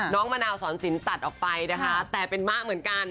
มะนาวสอนสินตัดออกไปนะคะแต่เป็นมะเหมือนกัน